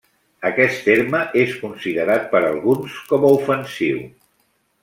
Aquest terme és considerat per alguns com a ofensiu.